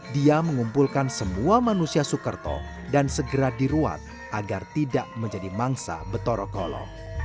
dia mengumpulkan semua manusia sukerto dan segera diruat agar tidak menjadi mangsa betorokolo